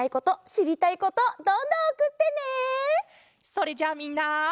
それじゃあみんな。